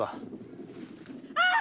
あっ！